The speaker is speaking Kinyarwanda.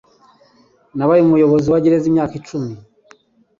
Nabaye umuyobozi wa gereza imyaka icumi.